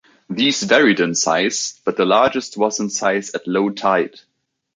These varied in size, but the largest was in size at low tide.